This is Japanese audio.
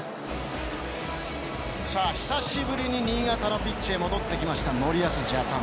久しぶりに新潟のピッチへ戻ってまいりました森保ジャパン。